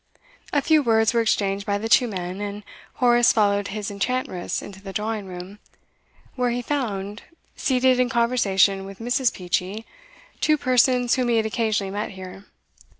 A few words were exchanged by the two men, and Horace followed his enchantress into the drawing room, where he found, seated in conversation with Mrs. Peachey, two persons whom he had occasionally met here.